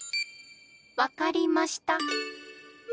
わかりました！